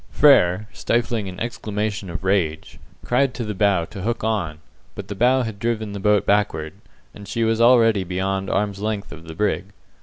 Frere, stifling an exclamation of rage, cried to the bow to hook on, but the bow had driven the boat backward, and she was already beyond arm's length of the brig.